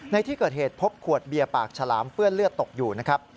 ในที่เกิดเหตุพบขวดเบียร์ปากฉลามเปื้อนเลือดตกอยู่นะครับ